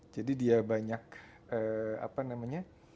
jadi dia banyak apa namanya